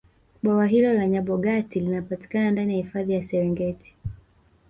bwawa hilo la nyabogati linapatikana ndani ya hifadhi ya serengeti